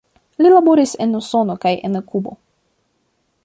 Li laboris en Usono kaj en Kubo.